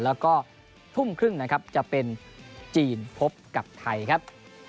แล้วก็ทุ่มครึ่งนะครับจะเป็นจีนพบกับไทยครับ